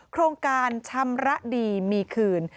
โครงการชำระดีมีคืน